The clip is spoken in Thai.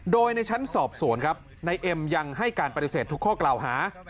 โดยในชั้นสอบสวนครับนายเอ็มยังให้การปฏิเสธทุกข้อกล่าวหา